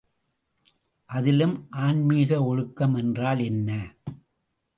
அதிலும் ஆன்மீக ஒழுக்கம் என்றால் என்ன?